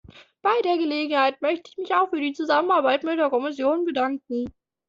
Bei der Gelegenheit möchte ich mich auch für die Zusammenarbeit mit der Kommission bedanken.